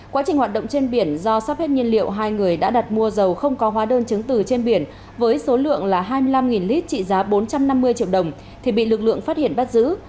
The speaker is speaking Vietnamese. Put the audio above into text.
quá trình hoạt động trên biển do sắp hết nhiên liệu hai người đã đặt mua dầu không có hóa đơn chứng từ trên biển với số lượng là hai mươi năm lít trị giá bốn trăm năm mươi triệu đồng thì bị lực lượng phát hiện bắt giữ